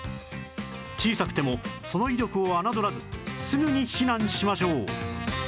小さくてもその威力を侮らずすぐに避難しましょう